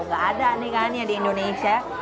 nggak ada yang aneh aneh di indonesia